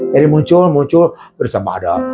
jadi muncul muncul bersama ada